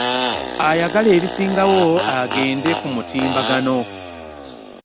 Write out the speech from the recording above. Ayagala ebisingawo agende ku mutimbagano.